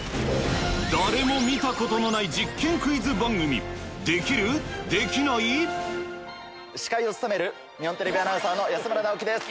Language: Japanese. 誰も見たことのない実験クイズ番組司会を務める日本テレビアナウンサーの安村直樹です。